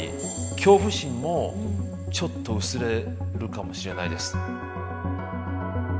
恐怖心もちょっと薄れるかもしれないです。